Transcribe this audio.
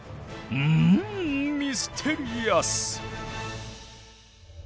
んミステリアス。